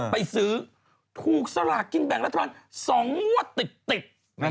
ไปซื้อถูกสลากกินแบ่งรัฐบาล๒งวดติด